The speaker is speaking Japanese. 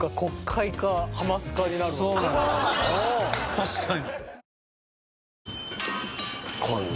確かに。